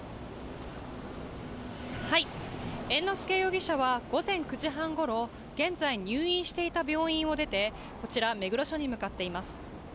猿之助容疑者は午前９時半ごろ、現在入院していた病院を出てこちら目黒署に向かっています。